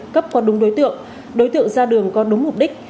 cấp qua đúng đối tượng đối tượng ra đường có đúng mục đích